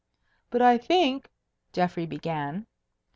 "But I think " Geoffrey began.